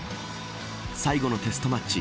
最後のテストマッチ